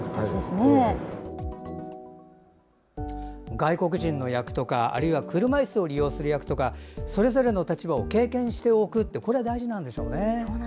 外国人の役とかあるいは車いすの役とかそれぞれの立場を経験するのが大事なんでしょうね。